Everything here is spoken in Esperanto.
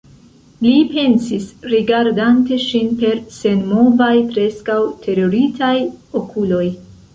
li pensis, rigardante ŝin per senmovaj, preskaŭ teruritaj okuloj.